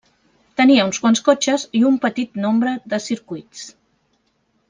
Tenia uns quants cotxes i un petit nombre de circuits.